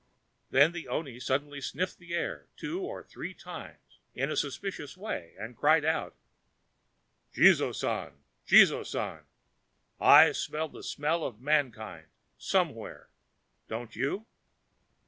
Then the oni suddenly snuffed the air two or three times in a suspicious way, and cried out: "Jizō San, Jizō San! I smell a smell of mankind somewhere—don't you?"